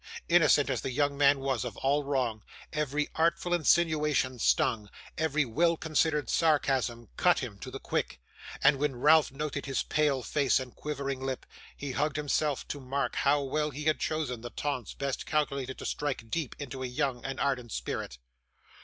Innocent as the young man was of all wrong, every artful insinuation stung, every well considered sarcasm cut him to the quick; and when Ralph noted his pale face and quivering lip, he hugged himself to mark how well he had chosen the taunts best calculated to strike deep into a young and ardent spirit.